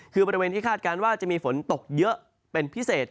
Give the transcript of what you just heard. คือบริเวณที่คาดการณ์ว่าจะมีฝนตกเยอะเป็นพิเศษ